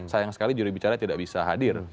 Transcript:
sayang sekali juri bicara tidak bisa hadir